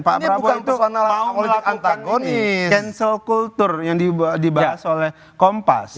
pak prabowo itu mau melakukan cancel kultur yang dibahas oleh kompas